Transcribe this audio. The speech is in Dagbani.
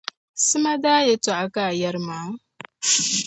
Sima daa yɛltɔɣa ka o yɛri maa.